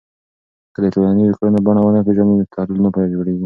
که د ټولنیزو کړنو بڼه ونه پېژنې، تحلیل نه بشپړېږي